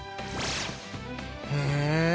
へえ。